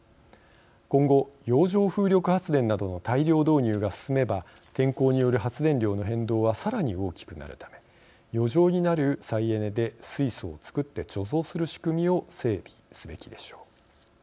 今後洋上風力発電などの大量導入が進めば天候による発電量の変動はさらに大きくなるため余剰になる再エネで水素を作って貯蔵する仕組みを整備すべきでしょう。